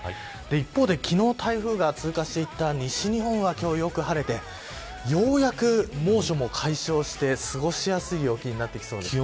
一方で昨日台風が通過していった西日本は今日は、よく晴れてようやく猛暑も解消して過ごしやすい陽気になってきそうです。